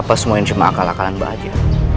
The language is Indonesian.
apa semua ini cuma akal akalan mbak aja